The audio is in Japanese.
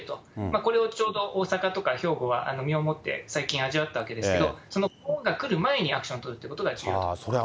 これをちょうど大阪とか兵庫は身をもって最近、味わったわけですけど、そのぽーんが来る前にアクション取るということが重要だと。